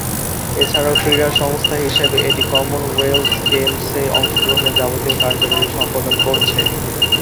এছাড়াও, ক্রীড়া সংস্থা হিসেবে এটি কমনওয়েলথ গেমসে অংশগ্রহণের যাবতীয় কার্যাবলী সম্পাদন করছে।